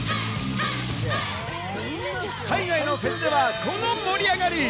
海外のフェスでは、この盛り上がり。